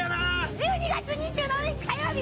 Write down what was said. １２月２７日火曜日